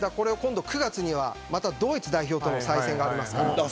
９月にはドイツ代表との再戦があります。